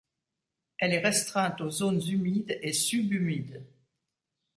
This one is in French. Elle est restreinte aux zones humides et sub-humides.